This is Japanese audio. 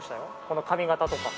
この髪形とか。